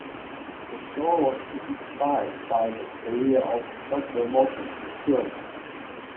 The show was inspired by the career of Doctor Morton Shulman.